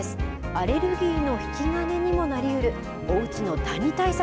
アレルギーの引き金にもなりうるおうちのだに対策